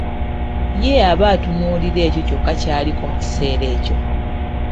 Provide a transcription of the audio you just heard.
Ye aba atunuulira ekyo kyokka ky'aliko mu kiseera ekyo.